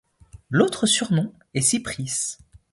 L'autre surnom est Cypris.